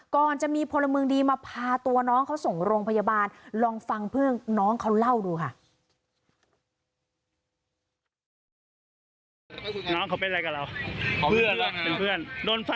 ก่อนจะมีพลเมืองดีมาพาตัวน้องเขาส่งโรงพยาบาลลองฟังเพื่อนน้องเขาเล่าดูค่ะ